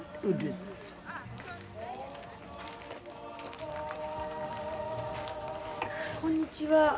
うむこんにちは。